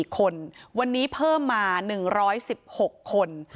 ๔คนวันนี้เพิ่มมา๑๑๖คน